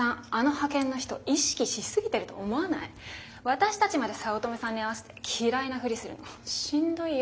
私たちまで早乙女さんに合わせて嫌いなふりするのしんどいよ。